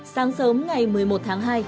sáng sớm ngày một mươi một tháng hai